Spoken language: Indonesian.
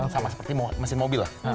sama seperti mesin mobil lah